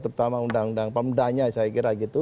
terutama undang undang pemdanya saya kira gitu